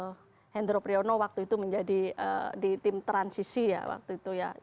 pak hendro priyono waktu itu menjadi di tim transisi ya waktu itu ya